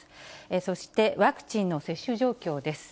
そして、ワクチンの接種状況です。